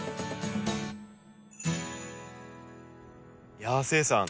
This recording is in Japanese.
いやあ誓さん